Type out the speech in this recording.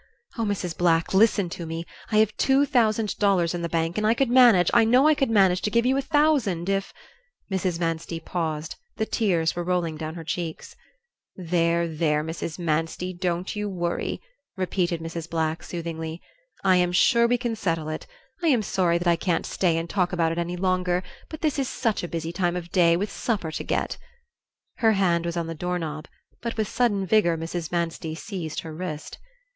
Oh, Mrs. Black, listen to me. I have two thousand dollars in the bank and I could manage, I know I could manage, to give you a thousand if " Mrs. Manstey paused; the tears were rolling down her cheeks. "There, there, Mrs. Manstey, don't you worry," repeated Mrs. Black, soothingly. "I am sure we can settle it. I am sorry that I can't stay and talk about it any longer, but this is such a busy time of day, with supper to get " Her hand was on the door knob, but with sudden vigor Mrs. Manstey seized her wrist.